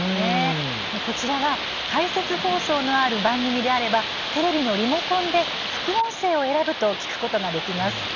こちらは解説放送のある番組であればテレビのリモコンで副音声を選ぶと聞くことができます。